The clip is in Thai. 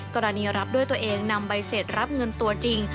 กรณีรับด้วยตัวเองนำใบเสร็จรับเงินตัวจริง